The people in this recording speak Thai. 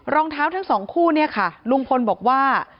รองเท้าทั้งสองคู่เนี่ยค่ะลุงพลบอกว่า